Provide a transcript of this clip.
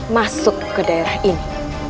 masuk ke daerah ini